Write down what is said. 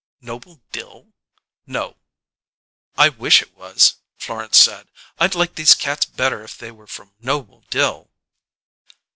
"Noble Dill? No." "I wish it was," Florence said. "I'd like these cats better if they were from Noble Dill."